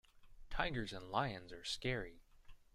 Tigers and lions are scary.